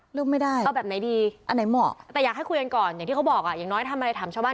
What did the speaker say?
ประสบกันได้ยังไง